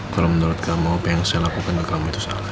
kalau menurut kamu apa yang saya lakukan di kamu itu salah